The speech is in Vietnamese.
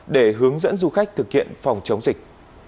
để hướng dẫn du khách thực hiện phòng chống dịch